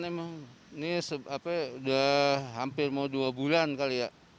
ini sudah hampir dua bulan kali ya